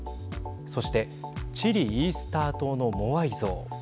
そしてチリ・イースター島のモアイ像。